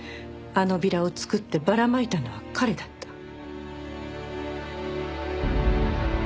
あのビラを作ってばらまいたのは彼だった。